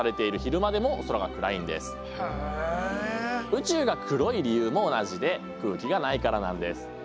宇宙が黒い理由も同じで空気がないからなんです。